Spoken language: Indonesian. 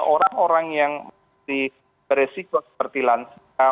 orang orang yang masih beresiko seperti lansia